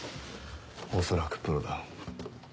恐らくプロだ。